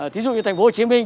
ví dụ như thành phố hồ chí minh